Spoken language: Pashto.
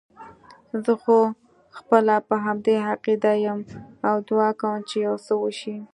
زه خو خپله په همدې عقیده یم او دعا کوم چې یو څه وشي.